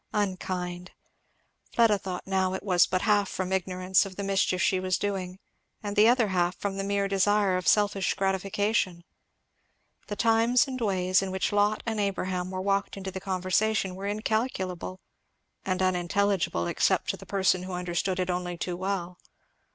Unkind. Fleda thought now it was but half from ignorance of the mischief she was doing, and the other half from the mere desire of selfish gratification. The times and ways in which Lot and Abraham were walked into the conversation were incalculable, and unintelligible except to the person who understood it only too well.